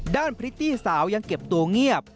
พริตตี้สาวยังเก็บตัวเงียบ